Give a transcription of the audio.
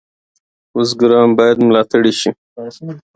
بزګران باید ملاتړ شي.